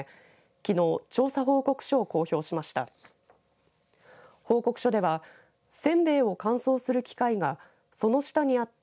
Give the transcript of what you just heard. きのう調査報告書を公表しました。